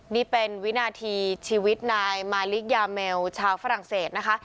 นี่เป็นวินาทีชีวิตนายมาลิกยาเมลชาวฝรั่งเศสนะคะ